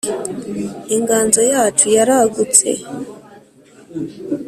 inganzo yacu ya ragutse,